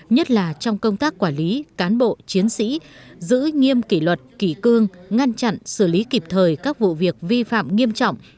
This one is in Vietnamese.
nhất là trong công tác quản lý cán bộ chiến sĩ giữ nghiêm kỷ luật kỷ cương ngăn chặn xử lý kịp thời các vụ việc vi phạm nghiêm trọng